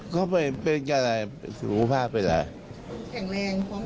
ก็เป็นอย่างสุขภาพไปแล้ว